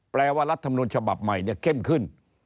แปลว่ารัฐมนุนฉบับใหม่เนี่ยเข้มขึ้น